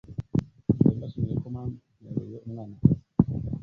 Mbaye mbashimiye ko mwampereye umwana akazi